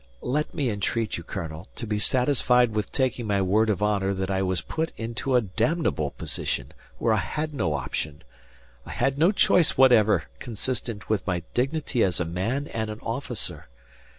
"Let me entreat you, colonel, to be satisfied with taking my word of honour that I was put into a damnable position where I had no option. I had no choice whatever consistent with my dignity as a man and an officer....